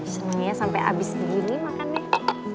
senangnya sampai habis gini makannya